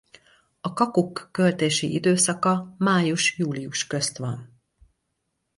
A kakukk költési időszaka május–július közt van.